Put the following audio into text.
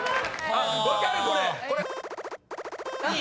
分かるこれ！